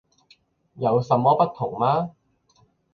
有什麼不同嗎？